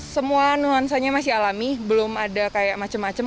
semua nuansanya masih alami belum ada kayak macam macam